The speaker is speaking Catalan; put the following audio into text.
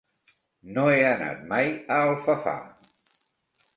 No he anat mai a Alfafar.